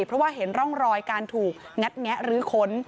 เพราะว่าเห็นร่องรอยการถูกงัดแงะรื้อค้น